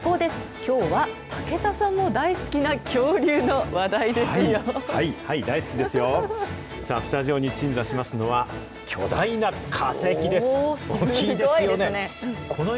きょうは、武田さんも大好きな恐竜の話題ですよ。